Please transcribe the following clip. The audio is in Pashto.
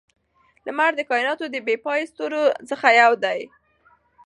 لمر د کائناتو د بې پایه ستورو څخه یو دی.